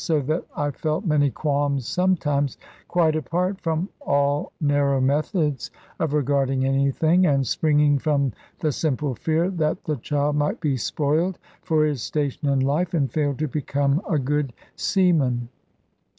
So that I felt many qualms sometimes, quite apart from all narrow methods of regarding anything, and springing from the simple fear that the child might be spoiled for his station in life, and fail to become a good seaman.